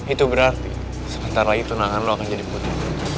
itu berarti sebentar lagi tunangan lo akan jadi putih